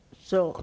そう。